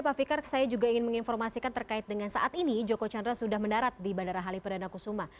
pak fikar saya juga ingin menginformasikan terkait dengan saat ini joko chandra sudah mendarat di bandara halim perdana kusuma